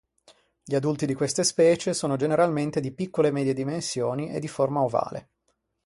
Gli adulti di queste specie sono generalmente di piccole-medie dimensioni e di forma ovale.